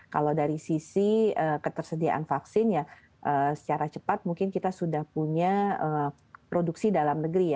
kalau dari sisi ketersediaan vaksin ya secara cepat mungkin kita sudah punya produksi dalam negeri ya